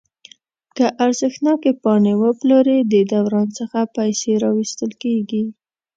که ارزښتناکې پاڼې وپلوري د دوران څخه پیسې راویستل کیږي.